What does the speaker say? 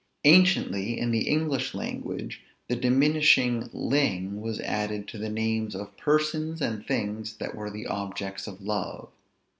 Anciently, in the English language, the diminishing ling was added to the names of persons and things that were the objects of love.